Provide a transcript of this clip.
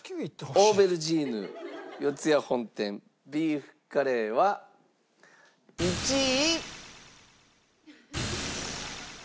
オーベルジーヌ四谷本店ビーフカレーは１位。